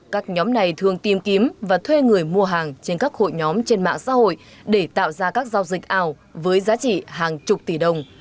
các nhóm này thường tìm kiếm và thuê người mua hàng trên các hội nhóm trên mạng xã hội để tạo ra các giao dịch ảo với giá trị hàng chục tỷ đồng